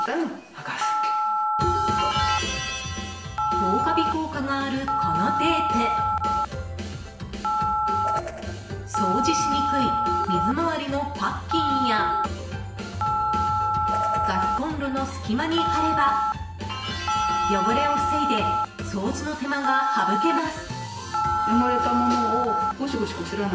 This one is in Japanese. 防カビ効果があるこのテープ掃除しにくい水回りのパッキンやガスコンロの隙間に貼れば汚れを防いで掃除の手間が省けます。